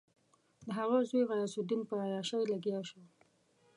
د هغه زوی غیاث الدین په عیاشي لګیا شو.